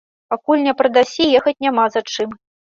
Пакуль не прадасі, ехаць няма за чым.